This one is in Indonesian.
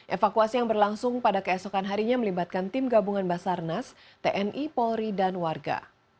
evakuasi yang berlangsung pada keesokan harinya melibatkan tim gabungan basarnas tni polri dan warga